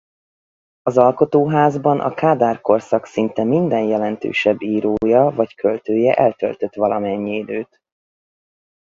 Az alkotóházban a Kádár-korszak szinte minden jelentősebb írója vagy költője eltöltött valamennyi időt.